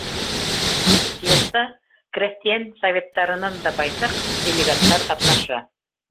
Съезда крәҫтиәндәр Советтарынан да байтаҡ делегаттар ҡатнаша.